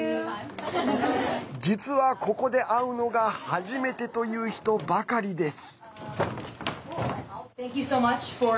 実は、ここで会うのが初めてという人ばかりです。